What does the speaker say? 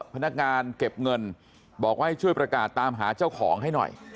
พนักงานเก็บเงินบอกว่าให้ช่วยประกาศตามหาเจ้าของให้หน่อย